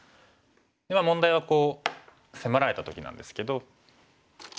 問題はこう迫られた時なんですけど。